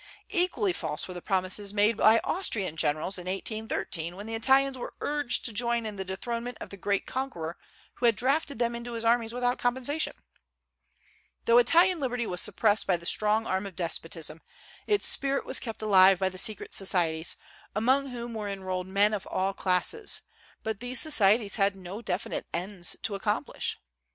Equally false were the promises made by Austrian generals in 1813, when the Italians were urged to join in the dethronement of the great conqueror who had drafted them into his armies without compensation. Though Italian liberty was suppressed by the strong arm of despotism, its spirit was kept alive by the secret societies, among whom were enrolled men of all classes; but these societies had no definite ends to accomplish.